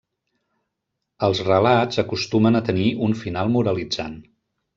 Els relats acostumen a tenir un final moralitzant.